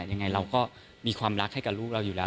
ยังไงเราก็มีความรักให้กับลูกเราอยู่แล้ว